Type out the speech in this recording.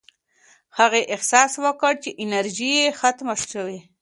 هغې احساس وکړ چې انرژي یې ختمه شوې.